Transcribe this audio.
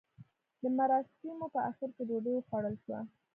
د مراسیمو په اخر کې ډوډۍ وخوړل شوه.